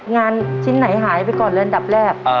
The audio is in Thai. งานชิ้นไหนหายไปก่อนเลยอันดับแรก